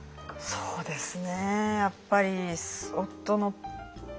そうですか。